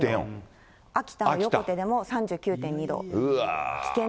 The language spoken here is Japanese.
秋田の横手でも３９．２度。